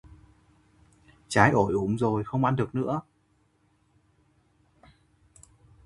Trái ổi ủng rồi, không ăn được nữa